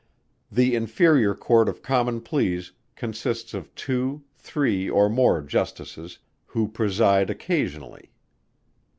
The Inferior Court of Common Pleas consists of two, three, or more Justices, who preside occasionally.